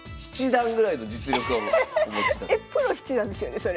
プロ七段ですよねそれ。